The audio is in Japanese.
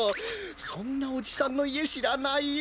そんなおじさんのいえしらない？